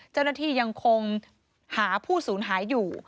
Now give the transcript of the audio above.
เจ้าหน้าที่ยังคงหาผู้สูญหายอยู่